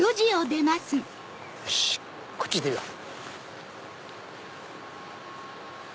よしこっち行ってみよう。